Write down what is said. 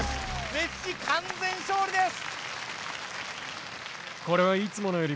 メッシ完全勝利です